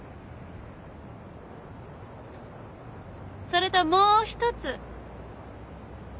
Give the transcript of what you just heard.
それともう１つ。